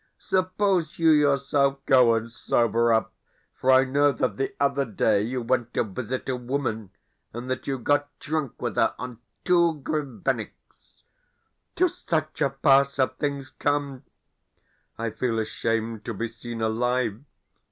Suppose you yourself go and sober up, for I know that the other day you went to visit a woman, and that you got drunk with her on two grivenniks." To such a pass have things come! I feel ashamed to be seen alive.